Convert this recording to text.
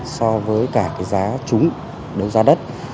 so với cả cái giá trúng đầu giá đất